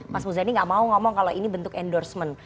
mas muzani nggak mau ngomong kalau ini bentuk endorsement